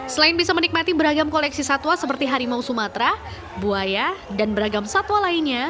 selain bisa menikmati beragam koleksi satwa seperti harimau sumatera buaya dan beragam satwa lainnya